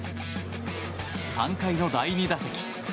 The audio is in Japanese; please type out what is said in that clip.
３回の第２打席。